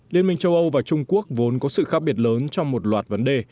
liên minh châu âu và trung quốc vốn có sự khác biệt lớn trong một loạt vấn đề